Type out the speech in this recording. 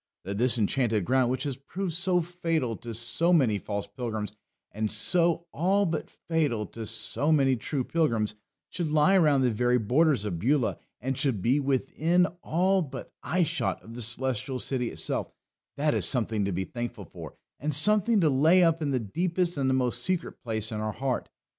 That this Enchanted Ground, which has proved so fatal to so many false pilgrims, and so all but fatal to so many true pilgrims, should lie around the very borders of Beulah, and should be within all but eye shot of the Celestial City itself, that is something to be thankful for, and something to lay up in the deepest and the most secret place in our heart.